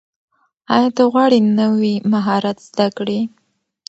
ایا ته غواړې نوي مهارت زده کړې؟